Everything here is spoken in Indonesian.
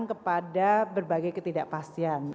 kepada berbagai ketidakpastian